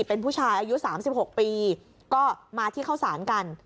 เป็นผู้ชายอายุ๓๖ปีก็มาที่เข้าสารกัน